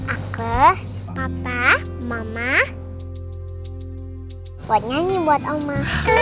aku papa mama buat nyanyi buat oma